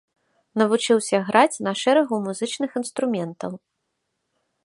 Навучыўся граць на шэрагу музычных інструментаў.